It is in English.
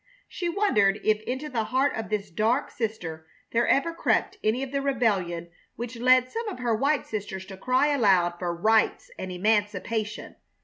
She wondered if into the heart of this dark sister there ever crept any of the rebellion which led some of her white sisters to cry aloud for "rights" and "emancipation."